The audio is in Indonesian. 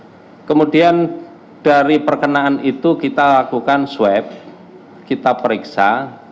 apakah memang terjadi apa kemudian dari perkenaan itu kita lakukan swab kita periksa